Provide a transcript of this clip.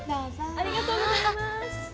ありがとうございます！